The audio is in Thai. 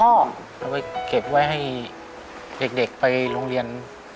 เอาไปเก็บไว้ให้เด็กไปโรงเรียน